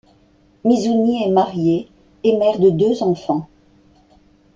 Mizouni est mariée et mère de deux enfants.